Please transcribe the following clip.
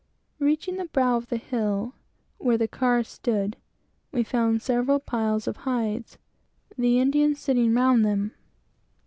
Reaching the brow of the hill where the cart stood, we found several piles of hides, and Indians sitting round them.